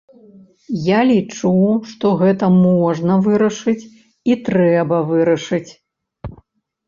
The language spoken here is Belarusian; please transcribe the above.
Я лічу, што гэта можна вырашыць, і трэба вырашыць.